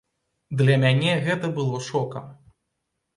Для мяне гэта было шокам.